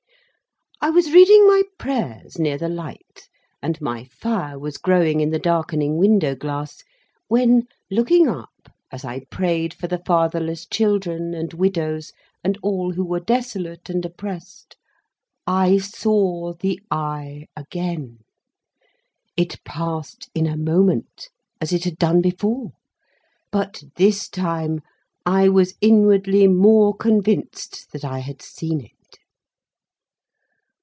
I was reading my prayers near the light, and my fire was growing in the darkening window glass, when, looking up, as I prayed for the fatherless children and widows and all who were desolate and oppressed,—I saw the Eye again. It passed in a moment, as it had done before; but, this time, I was inwardly more convinced that I had seen it.